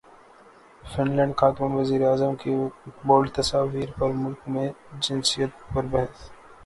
fun land خاتون وزیراعظم کی بولڈ تصاویر پر ملک میں جنسیت پر بحث